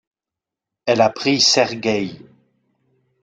Elle a pris Sergueï.